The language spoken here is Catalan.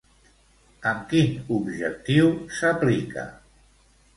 Amb quin objectiu s'aplica?